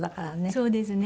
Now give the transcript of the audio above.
そうですね。